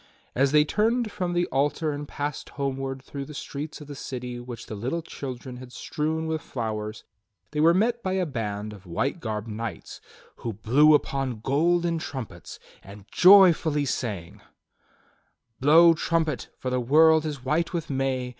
As they turned from the altar and passed homeward through the streets of the city which the little children had strewn with flowers they were met by a band of white garbed knights who blew upon golden trumpets and joyfully sang: "'Blow trumpet, for the world is white with May!